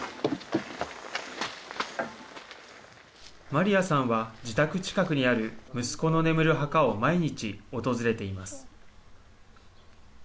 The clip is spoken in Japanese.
マリアさんは自宅近くにある息子の眠る墓を毎日、訪れています。